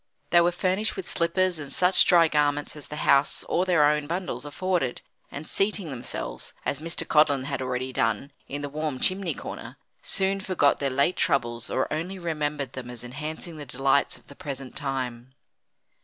They were furnished with slippers and such dry garments as the house or their own bundles afforded, and seating themselves, as Mr. Codlin had already done, in the warm chimney corner, soon forgot their late troubles or only remembered them as enhancing the delights of the present time.